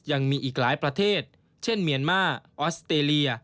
อย่างมีอีกหลายประเทศเช่นเผียงเมียร์มาออสเตเรีย